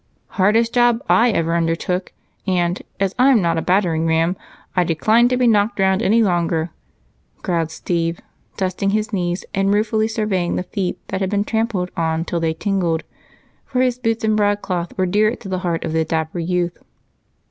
"Hardest job I ever undertook and, as I'm not a battering ram, I decline to be knocked round any longer," growled Steve, dusting his knees and ruefully surveying the feet that had been trampled on till they tingled, for his boots and broadcloth were dear to the heart of the dapper youth.